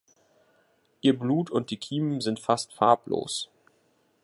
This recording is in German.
Ihr Blut und die Kiemen sind fast farblos.